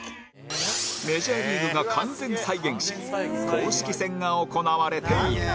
メジャーリーグが完全再現し公式戦が行われている